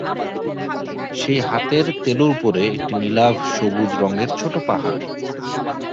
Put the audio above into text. সেই হাতের তেলোর উপরে একটি নীলাভ সবুজ রঙের ছোটো পাহাড়।